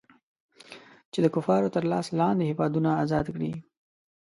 چې د کفارو تر لاس لاندې هېوادونه ازاد کړي.